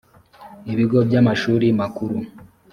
ibigo by’amashuri makuru